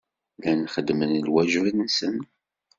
Llan xeddmen lwaǧeb-nsen.